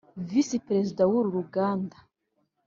Visi Perezida w’uru ruganda